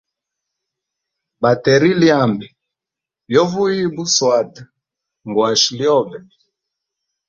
Bateri lyami lyo vuyia buswata, ngwashe lyobe.